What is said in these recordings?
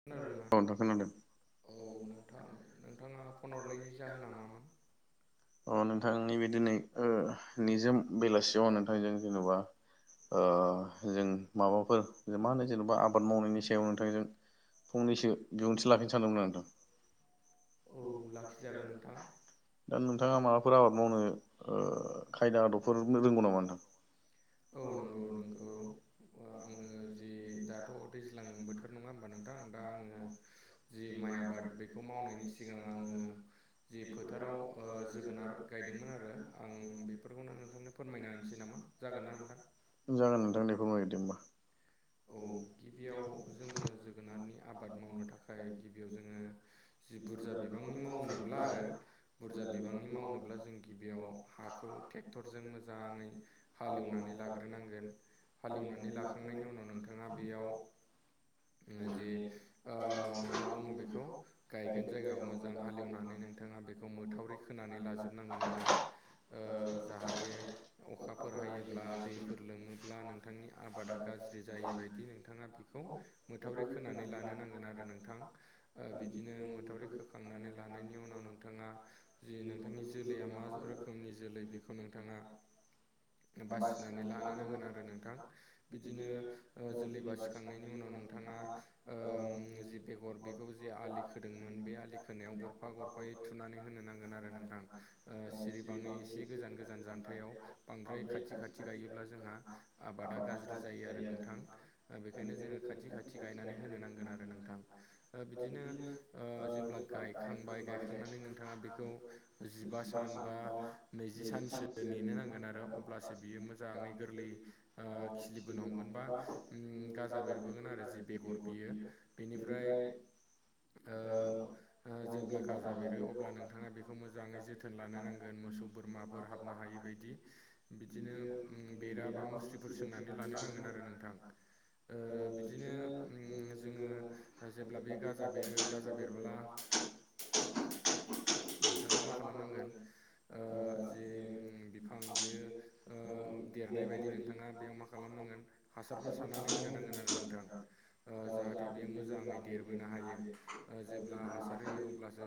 खोनादोंना औ नोंथां खोनादों औ नोंथां नोंथाङा फन हरनायनि जाहोना मामोन अ नोंथांनि बे दिनै निजोम बेलासियाव नोंथांजों जेन'बा जों माबाफोर मा होनो जेनेबा आब आबाद मावनायनि सायाव नोंथांजों फंनैसो बिबुंथि लाफिनो सानदोंमोन नोंथां औ लाखिजागोन नोंथां दा नोंथाङा माबाफोर आबाद मावनो खायदा आदबफोर रोंगौ नामा नोंथां औ नंगौ नंगौ आङो जि दाथ' दैज्लांंबोदों सोर नङा होमबा नोंथां दा आंङो जि माइ आबाद बेखौ मावनायनि सिगां आङो जि फोथाराव जोगोनार गायदोंमोन आरो आं बेफोरखौनो नोंथांनो फोरमायना होनसै नामा जागोन ना नोंथां जागोनोंथांनिखौनो नागिरदों होमबा औ गिबियाव जोंङो जोगोनारनि आबाद मावनो थाखाय गिबियाव जोंङो जि बुरजा बिबांनि मावनोब्ला आरो बुरजा बिबांनि मावनोब्ला जों गिबियाव हाखौ ट्रेक्टरजों मोजांङै हालेवनानै लाग्रोनांगोन हालेवनानै लाखांनायनि उनाव नोंथाङा बेयाव जे मा बुङो बेखौ गायगोन जायगाखौ मोजां हालेवनानै नों नोंथाङा बेखौ मोथावरि खोनानै लाजोबनांगोन आरो जाहाथे अखाफोर हायोब्ला दैफोर लोमोब्ला नोंथांनि आबादा गाज्रि गाज्रि जायै बदि नोंथाङा बेखौ मोथावरै खोनानै लानो नांगोन आरो नोंथां बिदिनो मोथावरि खोखांनानै लानायनि उनाव नोंथाङा जे नोंथांनि जोलैया मा रोखोमनि जोलै बेखौ नोंथाङा बासिनानै लानो नांगोन आरो नोंथां बिदिनो जोलै बासिखांनायनि उनाव नोंथाङा जि बेगर बे खौ जे आलि खोदोंमोन बे आलि खोनायाव गरफा गरफायै थुनानै होनो नांगोन आरो नोंथां ओ सिरिबाङै एसे गोजान गोजान जानथायाव बांद्राय खाथि खाथि गायोब्ला जोंहा आबादा गाज्रि जायो आरो नों थां बेखायनो जोङो खाथि खाथि गायनानै होनो नांगोन आरो नोंथां ओ बिदिनो ओ जेब्ला गायखांबाय गायखांनानै नोंथाङा बेखौ जिबा सान बा नैजि सानसो नेनो नांगोन आरो अब्लासो बियो मोजाङै गोरलै ओ खिलिबोन हगोनबा उम गाजा बेरबोगोन आरो जि बेगर बियो बेनिफ्राय ओ ओ जेब्ला गाजा बेरो अब्ला नोंथाङा बेखौ मोजाङै जोथोन लानो नांगोन मोसौ बोरमाफोर हाबनो हायि बाय दि बिदिनो उम बेरा बा मुस्रिफोर सोंनानै लानो नांगोन आरो नोंथां ओ बिदिनो उम जोङो जेब्ला बे गाजा बेरो गाजा बेरबोला [inaudible] नोंथाङा मा खालामनांगोन ओ जे बिफां बियो ओ देरनाय बायदि नोंथाङा बेयाव मा खालामनांगोन हासारफोर साननानै होनो नांगोन आरो नोंथां ओ जाहाथे बियो मोजाङै देरबोनो हायो जेब्ला हासार होयो अब्लासो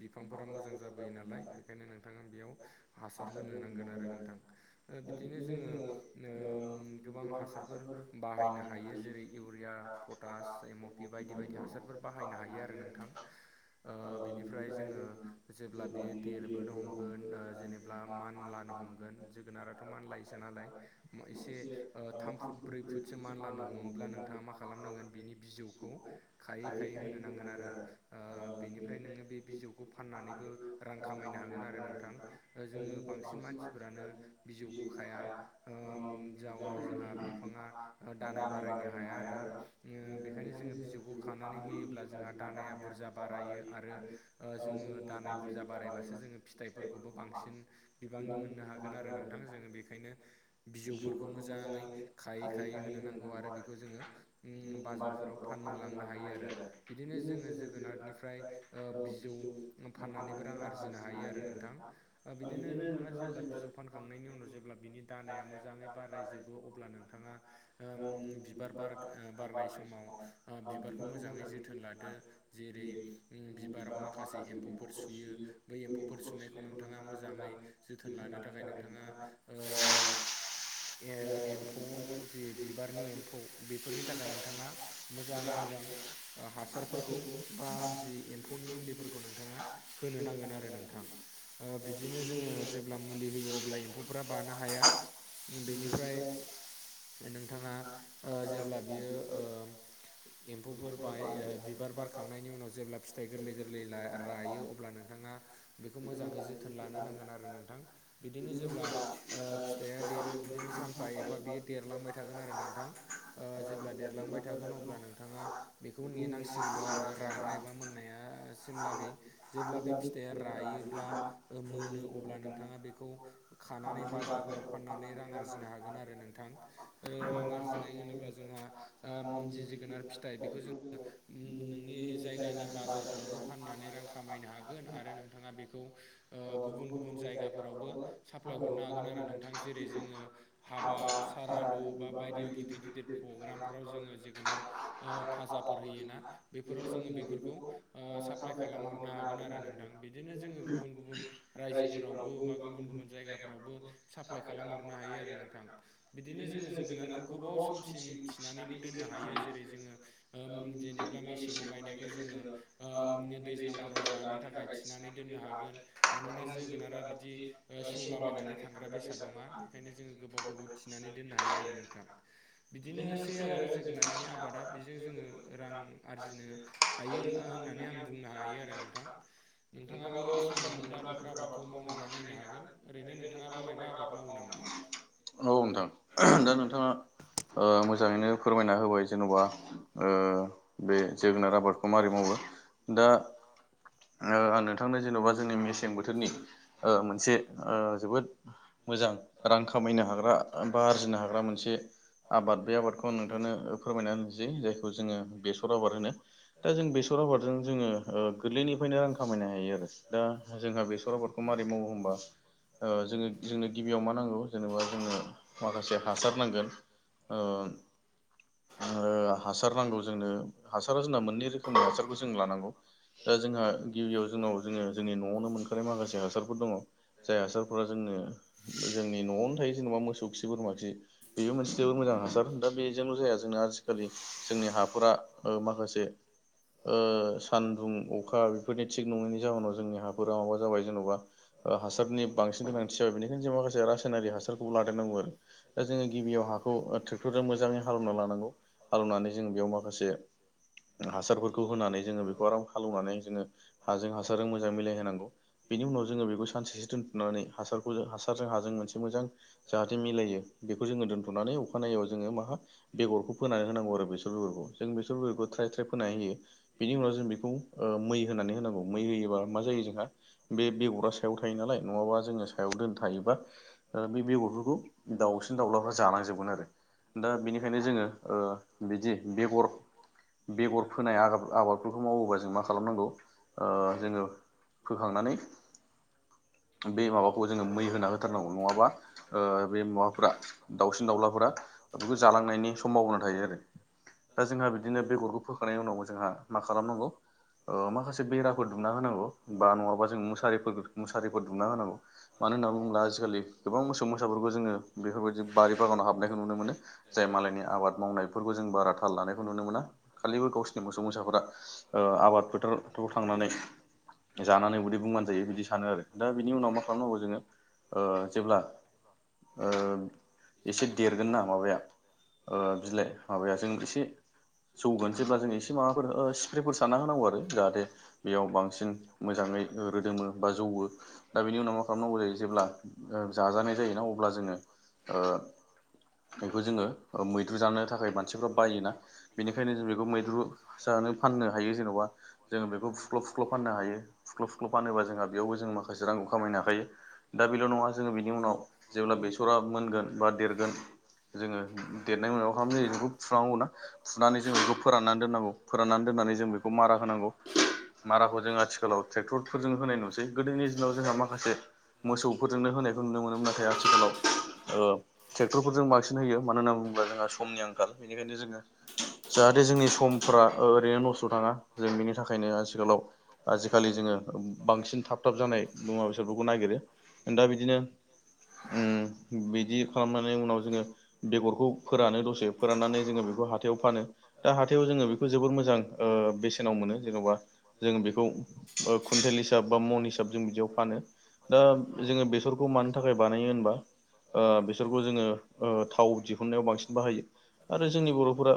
बिफांफोरा मोजां जाबोयो नालाय बेखायनो नोंथाङा बेयाव हासार होनो नांगोन आरो नों नोंथां ओ बिदिनो जोङो ओम गोबां हासार बाहायनो हायो जेरै इउरिया पटास एमअपि बायदि बायदि हासारफोर बाहायनो हायो आरो नोंथां [inaudible] ओ बिनिफ्राय जोंङो जेब्ला बियो देरबोनो हमगोन ओ जेनेबब्ला मानलानो हमगोन जोगोनाराथ मानलायोसो नालाय मा उ एसे थामफु फुटसो मानलानो हमोब्ला नोंथाङा मा खालामनांगोन बिनि बिजौखौ खायै खायै होनो नांगोन आरो ओ बेनिफ्राय नोङो बे बिजौखौ फाननानैबो रां खामायनो हागोन आरो नोंथां, जोङो बांसिन मानसिफोरानो बिजौखौ खाया ओम जाउनाव जोंहा, बिफाङा दानाय बारायनो हाया आरो ओ बेखायनो जोङो बिजौखौ खानानै होयोब्ला जोंहा, दानाया बुरजा बारायो आरो जोङो दानाय बुरजा बारायबासो जोङो फिथाइफोरखौबो बांसिन, बिबांनि मोननो हागोन आरो नोंथां जोङो बेखायनो बिजौफोरखौ मोजांङै खायै खायै होनो नांगौ आरो बेखौ जोङो उम बाजारफोराव फाननो लांनो हायो आरो बिदिनो जोङो जोगोनारनिफ्राय ओ बिजौ फाननानैबो रां आरजिनो हायो आरो नोंथां ओ बिदिनो नोंथाङा जेब्ला बिजौ फानखांनायनि उनाव जेब्ला बिनि दानाया मोजाङै बारायजोबो अब्ला नों आ ओम बिबारखौ बार बारनाय समाव बिबारखौ मोजाङै जोथोन लादो, जेरै उम बिबाराव माखासे एम्फौफोर सुयो बै एम्फौफोर सुनायखौ नोंथाङा मोजाङै, जोथोन लानो थाखाय नोंथाङा ओ ए एम, एम्फौ जि बिबारनि एम्फौ बेफोरनि थाखाय नोंथाङा मोजां मोजां, हासारफोरखौ बा जि एम्फौनि मुलिफोरखौ नोंथाङा होनो नांगोन आरो नोंथां, ओ बिदिनो जोङो जेब्ला, मुलि होयो अब्ला एम्फौफ्रा बानो हाया बेनिफ्राय, [inaudible] नोंथाङा ओ जेब्ला बियो ओ एम्फौफोर बाय बिबार बारखांनायनि उनाव जेब्ला फिथाइ गोरलै गोरलै रायो अब्ला नोंथाङा, बेखौ मोजाङै जोथोन लानो नांगोन आरो नोंथां बिदिनो जेब्ला ओ फिथाइया देरो बिदिनो सानफा ए फा बियो देरलांबाय थागोन आरो नोंथां जेब्ला देरलांबाय थागोन अब्ला नोंथाङा, बेखौ नेनांसिगौल' आरो रानाय बा मोननायासिमलागै जेब्ला बे फि फिथाया रायोब्ला मोनो अब्ला नोंथाङा बेखौ खानानै बाजारफोराव फाननानै रां आरजिनो हागोन आरो नोंथां ओ रां आरजिनाय होनोब्ला जोंहा आम जि जोगोनार फिथाइ बेखौ जोङो उम नोंनि जायगानि बाजारफोरावबो फाननानै रां खामायनो हागोन आरो नोंथाङा बेखौ, गुबुन गुबुन जायगाफोरावबो साप्लाय हरनो हागोन आरो नोंथां जेरै जोङो, हाबा सारादु बा बायदि गिदिर गिदिर प्रग्रामफोराव जोङो जोगोनार, ओ फाजाफोर होयोना बेफोराव जोङो बेफोरखौ साप्लााय खालामहरनो हागोन आरो नों, बिदिनो जोङो गुबुन गुबुन रायजोफोरावबो बा गुबुन गुबुन जायगाफ्रावबो साप्लााय खालाम हरनो हायो आरो नों नोंथां बिदिनो जोङो जोगोनारखौ गोबाव समसिम थिनानैबो दोननो हायो जेरै जोङो, जेनेबा मेसेङाव गायनायखौ जोङो दैज्लांफोराव जानो थाखाय नानै दोननो हागोन मानोना जोगोनारा बिदि, बि सेवलाबायनानै थांग्रा बेसाद नङा बेखायनो जोङो गोबाव, गोबाव थिनानै दोननो हायो आरो नोंथां बिदिनोसै आरो जोगोनारनि आबादा बेजों जोङो रां आरजिनो, हायो होननानै आं बुंनो हायो आरो नोंथां, नोंथाङाबो सम मोनोब्ला बेफोर आबादखौ मावनानै, नायनो हागोन ओरैनो नोंथाङाबो मायबा आबाद मावो नामा? औ नोंथां दा नोंथाङा, ओ मोजाङैनो फोरमायना होबाय जेन'बा ओ, बे जोगोनार आबादखौ मै मावो दा, आं नोंथांनो जेन'बा जोंनि मेसें बोथोरनि मोनसे जोबोद, मोजां रां खामायनो हाग्रा बा आरजिनो हाग्रा मोनसे आबाद बे आबादखौ आं नोंथांनो फोरमायना होनसै जायखौ जोङो बेसर आबाद होनो, दा जों बेसर आबादजों जोङो, ओ गोरलैनिफ्रायनो रां खामायनो हायो आरो दा जोंहा बेसर आबादखौ माबारै मावो होमबा, ओ जोङो जोंनो गिबियाव मा नांगौ जेनेबा जोंनो माखासे हासार नांगोन, ओ ओ हासार नांगौ जोंनो हासारा जोंना मोननै रोखोमनि हासारखौ जों लानांगौ। दा जोंहा गिबियाव जोंनाव जोङो जोंनि न'आवनो मोनखानाय माखासे हासारफोर दङ। जाय हासारफोरा जोंनो जोंनि न'आवनो थायो जेनेबा मोसौ खि बोरमाखि। बेबो मोनसे जोबोर मोजां हासार होन दा बेजोंल' जाया जोंना आजिखालि जोंनि हाफोरा ओ माखासे ओ सान्दुं अखा बेफोरनि थिग नङैनि जाहोनाव जोंनि हाफोरा माबा जाबाय जेन'बा, हासारनि बांसिन गोनांथि जाबाय बेनिखायनो जों माखासे रासायनारि हासारखौबो लादेरनांगौ, दा जोङो गिबियाव हाखौ ट्रेक्टरजों मोजाङै हालेवना लानांगौ, हालेवनानै जोंङ बेयाव माखासे हासारफोरखौ होनानै जोङो बेखौ आराम हालेवनानै जोङो, हाजों हासारजों मोजां मिलाय होनोनांगौ बेनि उनाव जोङो बेखौ सानसेसो दोनथुमनानै हासारखौ हासारजों हाजों मोनसे मोजां जाहाथे मिलायो बेखौ जोङो दोन्थ'नानै अखानायैआव जोङो माहा बेगरखौ फोनानै होनांगौ आरो बेसर बेगरखौ। जों बेसर बेगरखौ ट्राय ट्राय फोनाय होयो बेनि उनाव जों बेखौ ओ मै होनानै होनांगौ मै होयोबा मा जायो जोंहा बे बेगर फ्रा सायाव थायो नालाय नङाबा जोङो सायाव थारो बा ओ बै बेगरफोरखौ दावतों सन दाउलाफ्रा जानलांजोबगोन आरो दा बेनिखायनो जोङो बिदि बेगर बेगर फोनाय आबाद आबादफोरखौ मावोबा जों मा खालामनांगौ जोङो फोखांनानै बे माबाखौ जोङो मै होना होथारनांगौ नङाबा बे माबाफोरा दाउसिन दाउलाफोरा बेखौ जालांनायनि सम्भाबना थायो आरो। दा जोंहा बिदिनो बेगरखौ फोखांनायनि उनाव जोंहा मा खालामनांगौ ओ माखासे बेराफोर दुमना होनांगौ बा नङाबा जों मुसारिफोरखौ मुसारिफोर दुंना होनांगौ मानो होननानै बुङोब्ला आजिखालि गोबां मोसौ मोसाफोरखौ जोङो बेफोरबायदि बारि बागानाव हाबनायखौ नुनो मोनो जाय मालायनि आबाद मावनाय फोरफोरखौ जों बारा थाल लानायखौ नुनो मोना खालिबो गावसोरनि मोसौ मोसाफोरा ओ आबाद फोथारफ्राव थांनानै जानानै बिदै बुंनानै जायो बिदि सानो आरो। दा बिनि उनाव मा खालामनांगौ जोङो ओ जेब्ला ओ एसे देरगोन ना माबाया ओ बिलाइ माबाया जों एसे जौगोन जेब्ला जों एसे माबाफोर स्प्रेफोर सारना होनांगौ आरो जाहाथे बेयाव बांसिन मोजाङै रोदोमो। बा जौवो दा बेनि उनाव मा खालामनांगौ जायो जेब्ला ओ जाजानाय जायोना अब्ला जोङो ओ बेखौ जोङो मैद्रु जानो थाखाय मानसिफ्रा बायोना बेनिखायनो जों बेखौ मैद्रु जानो फाननो हायो जेन'बा जों बेखौ फु ख्ल' फुख्ल' फाननो हायो फुख्ल' फुख्ल' फानोबा जोंहा बेयावबो जों माखासे रांखौ खामायनो हाखायो। दा बेल' नङा जोङो बिनि उनाव जेब्ला बेसरा मोनगोन बा देरगोन जोङो देरनाय मोनाया खालाम जायो बेखौ फुनांगौ ना फुनानै जों बेखौ फोराननानै दोननांगौ फोराननानै दोननानै जों बेखौ मारा होनांगौ। माराखौ जों आथिखालाव ट्रेक्टरफोरजों होनाय नुसै गोदोनि दिनाव जोंहा माखासे मोसौफोरजोंनो होनायखौ नुनो मोनोमोन नाथाय आथिखालाव ओ ट्रेक्टरफोरजों बांसिन होयो मानो होनना बुङोब्ला जोंहा समनि आंखाल बेनिखायनो जोङो जाहाथे जोंनि समफ्रा ओरैनो नस्थ' थाङा जों बेनि थाखायनो आथिखालाव आजिखालि जोङो बांसिन थाब थाब जानाय मुङा बेसोरफोरखौ नागिरो दा बिदिनो ओम बिदि खालामनानै उनाव जोङो बेगरखौ फोरानो दसे फोराननानै जोङो बेखौ हाथायाव फानो। दा हाथायाव जोङो बेखौ जोबोर ओ मोजां ओ बेसेनाव मोनो जेन'बा। जोङो बेखौ कुइन्टेल हिसाब बा मन हिसाब जों बिदियाव फानो। दा जोङो बेसरखौ मानि थाखाय बानायो होनबा ओ बिसोरखौ जोङो ओ थाव दिहुननायाव बांसिन बाहायो। आरो जोंनि बर'फोरा,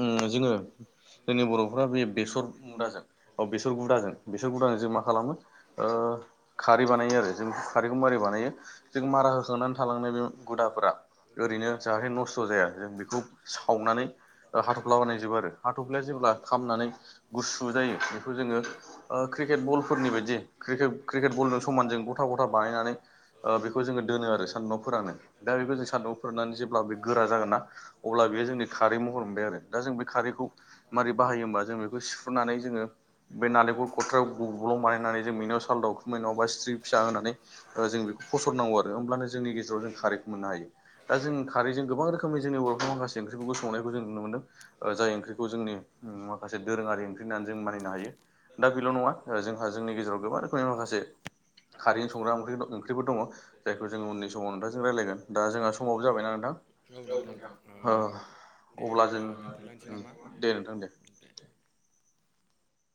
ओ जोङो जोंनि बर'फ्रा बे बेसर मुदाजों अ बेसर गुदाजों बेसर गुदाजों जों मा खालामो खारै बानायो आरो जों खारैखौ मारै बानायो जों मारा होखांनानै थालांनाय बे गुदाफोरा ओरैनो जाहाथे नस्थ' जाया जों बेखौ सावनानै हाथफ्ला बानायजोबो आरो हाथ'फ्लाया जेब्ला खामनानै गुसु जायो बेखौ जोङो क्रिकेट बल फोरनि बायदि क्रिकेट क्रिकेट बलजों समानजों गथा गथा बानायनानै ओ बेखौ जोङो दोनो आरो सान्दुंआव फोरानो दा बेखौ जों सान्दुंआव फोराननानै जेब्ला बे गोरा जागोन ना अब्ला बेयो जोंनि खारै महर मोनबाय आरो दा जों बे खारैखौ मारै बाहायो होमबा जों बेखौ सिफ्रुनानै जोङो बे नालेंखर खथायाव गु गब्लं बानायनानै जों मिनाव साल दावखुमै नबा सिथ्रि फिसा होनानै जों बेखौ फसरनांगौ आरो होमब्लानो जोंनि गेजेराव जों खारेखौ मोननो हायो। दा जों खारैजों गोबां रोखोमनि जोंनि बरफोरनाव माखासे ओंख्रिफोरखौ संनायखौ जों नुनो मोनदों। ओ जाय ओंख्रिखौ जोंनि माखासे दोरोङारि ओंख्रि होननानै जों मानिनो हायो। दा बेल' नङा [unintelligible] जोंहा जोंनि गेजेराव गोबां रोखोमनि माखासे खारैजों संग्रा ओंख्रि ओंख्रिफोरबो दङ। जायखौ जोङो उननि समाव नोंथांजों रायलायगोन दा जोंहा समावबो जाबायना नोंथां? औ ओ नोंथां औ दे ओ अब्ला जों, दोनथ'लायनोसै नामा दे नोंथां दे।